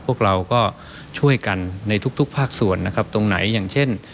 พวกเราก็ช่วยกันในทุกทุกภาคส่วนนะครับตรงไหนอย่างเช่น